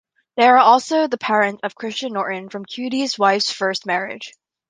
They are also the parents of Christian Norton from Cutie's wife's first marriage.